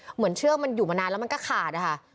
เหมือนเชื้อมันอยู่มานานแล้วมันก็ศาลค่ะ